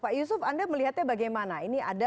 pak yusuf anda melihatnya bagaimana ini ada